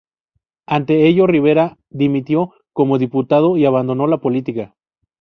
Ante ello Rivera dimitió como diputado y abandonó la política.